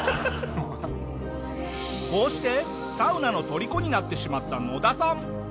こうしてサウナの虜になってしまったノダさん。